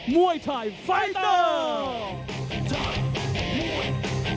มวยไทยไฟเตอร์